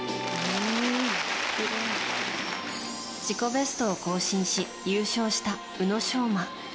自己ベストを更新し優勝した宇野昌磨。